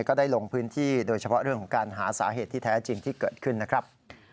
ก็ได้ลงพื้นที่โดยเฉพาะเรื่องของการหาสาเหตุที่แท้จริงที่เกิดขึ้นนะครับ